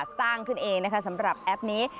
สร้างขึ้นเองนะคะสำหรับแอปนี้